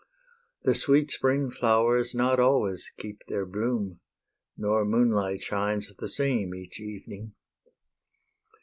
The sweet spring flowers not always keep Their bloom, nor moonlight shines the same Each evening.